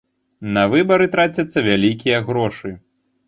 На выбары трацяцца вялікія грошы.